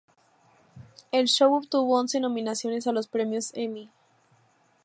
El show obtuvo once nominaciones a los premios Emmy.